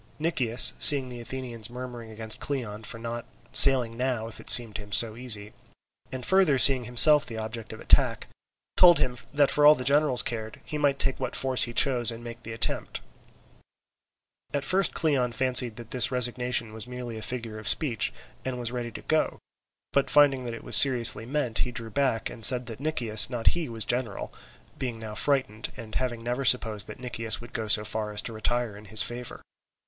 Nicias, seeing the Athenians murmuring against Cleon for not sailing now if it seemed to him so easy, and further seeing himself the object of attack, told him that for all that the generals cared, he might take what force he chose and make the attempt. At first Cleon fancied that this resignation was merely a figure of speech, and was ready to go, but finding that it was seriously meant, he drew back, and said that Nicias, not he, was general, being now frightened, and having never supposed that Nicias would go so far as to retire in his favour.